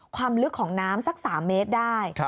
ความลึกของน้ำสัก๓เมตรได้